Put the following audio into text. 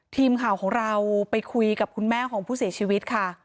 ทีมข่าวของเราไปคุยกับคุณแม่ของผู้เสียชีวิตค่ะ